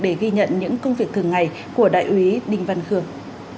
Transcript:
để ghi nhận những công việc thường ngày của đại úy đinh văn khương